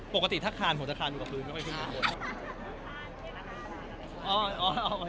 ปกติถ้าคานผมจะคานอยู่กับพื้นไม่ค่อยขึ้นข้างบน